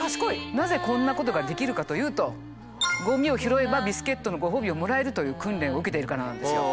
なぜこんなことができるかというとゴミを拾えばビスケットのご褒美をもらえるという訓練を受けているからなんですよ。